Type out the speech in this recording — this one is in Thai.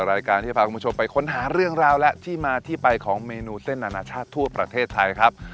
รายการที่จะพาคุณผู้ชมไปค้นหาเรื่องราวและที่มาที่ไปของเมนูเส้นอนาชาติทั่วประเทศไทยครับ